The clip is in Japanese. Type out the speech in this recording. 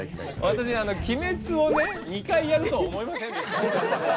私「鬼滅」をね２回やるとは思いませんでした。